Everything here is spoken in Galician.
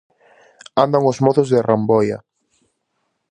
Andan os mozos de ramboia.